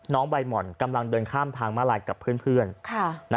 น้องใบหม่อนกำลังเดินข้ามทางมาลัยกับเพื่อนเพื่อนค่ะน่ะ